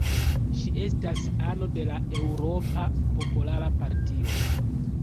Ŝi estas ano de la Eŭropa Popola Partio.